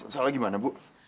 salah gimana bu